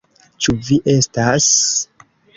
Ĉu vi estas...